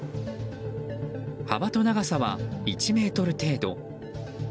幅と長さは１ｍ程度。